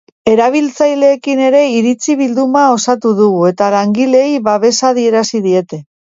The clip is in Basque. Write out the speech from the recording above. Erabiltzaileekin ere iritzi bilduma osatu dugu eta langileei babesa adierazi diete.